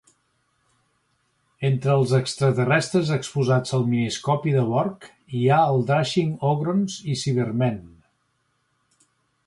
Entre els extraterrestres exposats al miniscopi de Vorg hi ha Drashigs Ogrons i Cybermen